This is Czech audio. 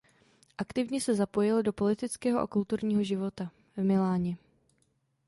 Aktivně se zapojil do politického a kulturního života v Miláně.